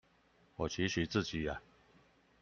我期許自己